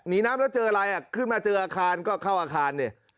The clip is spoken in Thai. น้ำแล้วเจออะไรอ่ะขึ้นมาเจออาคารก็เข้าอาคารเนี่ย